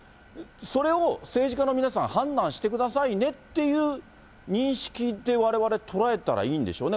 それを政治家の皆さん、判断してくださいねっていう認識でわれわれ、捉えたらいいんでしょうね。